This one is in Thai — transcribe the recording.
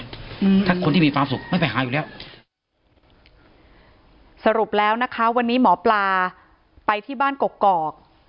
อืมถ้าคนที่มีความสุขไม่ไปหาอยู่แล้วสรุปแล้วนะคะวันนี้หมอปลาไปที่บ้านกอกกอก